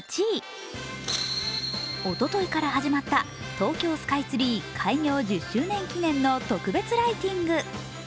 おとといから始まった東京スカイツリー開業１０周年記念の特別ライティング。